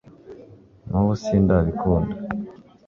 nubu sindabikunda